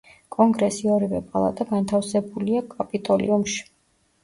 კონგრესი ორივე პალატა განთავსებულია კაპიტოლიუმში.